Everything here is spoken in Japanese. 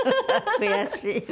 悔しい？